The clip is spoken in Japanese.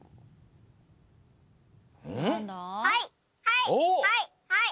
はいはい。